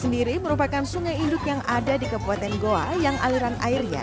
sendiri merupakan sungai induk yang ada di kabupaten goa yang aliran airnya